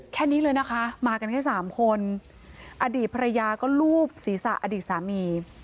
แค่นี้เลยนะคะมากันแค่สามคนอดีตภรรยาก็ลูบศีรษะอดีตสามี